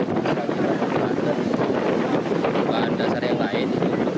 bisa kita membatas bukan dasar yang lain